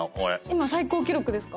今最高記録ですか？